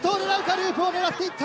ループを狙っていった。